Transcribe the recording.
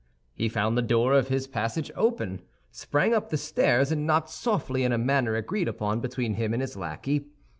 He found the door of his passage open, sprang up the stairs and knocked softly in a manner agreed upon between him and his lackey.